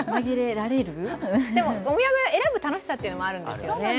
お土産を選ぶ楽しさというのもあるんですよね。